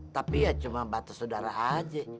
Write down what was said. tapi ya cuma batas saudara aja